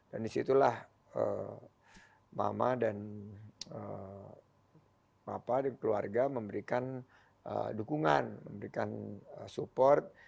dan disitulah mama dan mapa dan keluarga memberikan dukungan memberikan support